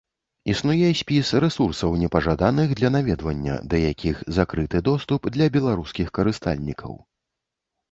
Існуе спіс рэсурсаў, непажаданых для наведвання, да якіх закрыты доступ для беларускіх карыстальнікаў.